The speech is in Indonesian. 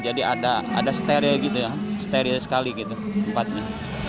jadi ada stereo gitu ya stereo sekali gitu tempatnya